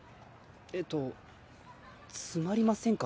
えっと詰まりませんか？